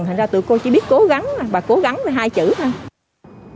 thành ra tụi cô chỉ biết cố gắng và cố gắng là hai chữ thôi